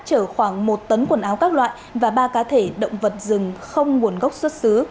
chở khoảng một tấn quần áo các loại và ba cá thể động vật rừng không nguồn gốc xuất xứ